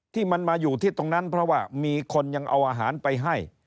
ที่มันมาอยู่ที่ตรงนั้นเพราะว่ามีคนยังเอาอาหารไปให้